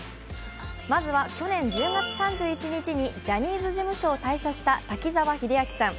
まずは、去年１０月３１日にジャニーズ事務所を退社した滝沢秀明さん。